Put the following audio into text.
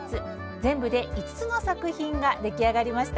全部で５つの作品が出来上がりました。